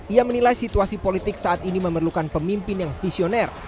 ia menilai situasi politik saat ini memerlukan pemimpin yang visioner